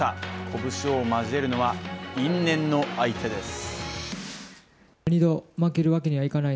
拳を交えるのは、因縁の相手です。